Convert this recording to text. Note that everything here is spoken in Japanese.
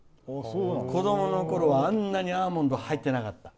子どものころはあんなにアーモンド入ってなかった。